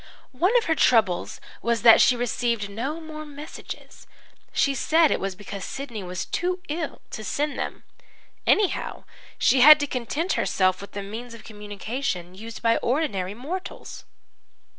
One of her troubles was that she received no more messages; she said it was because Sidney was too ill to send them. Anyhow, she had to content herself with the means of communication used by ordinary mortals.